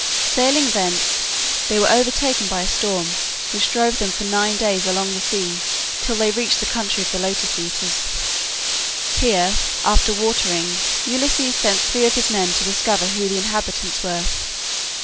Sailing thence, they were overtaken by a storm which drove them for nine days along the sea till they reached the country of the Lotus eaters. Here, after watering, Ulysses sent three of his men to discover who the inhabitants were.